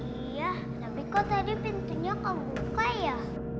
iya tapi kok tadi pintunya kebuka ya